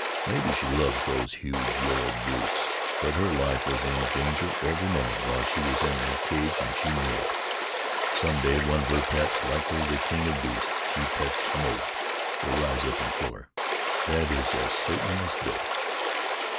Maybe she loves those huge yellow brutes, but her life was in danger every moment while she was in that cage, and she knew it. Some day, one of her pets likely the King of Beasts she pets the most will rise up and kill her. That is as certain as death."